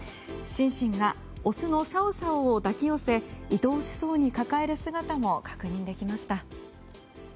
シンシンがオスのシャオシャオを抱き寄せ、いとおしそうに抱える姿も確認できました。